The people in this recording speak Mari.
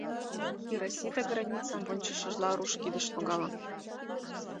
— Хиросита границым вончышыжла руш кидыш логалын.